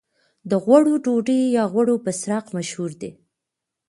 د غوړیو ډوډۍ یا غوړي بسراق مشهور دي.